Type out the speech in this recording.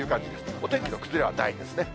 お天気の崩れはないですね。